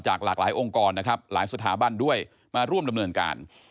หลากหลายองค์กรนะครับหลายสถาบันด้วยมาร่วมดำเนินการ